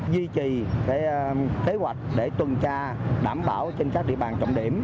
duy trì kế hoạch để tuần tra đảm bảo trên các địa bàn trọng điểm